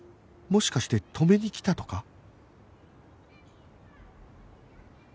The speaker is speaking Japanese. もしかして止めに来たとか？